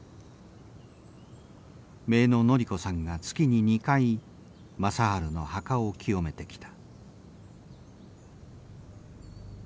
姪の徳子さんが月に２回正治の墓を清めてきた。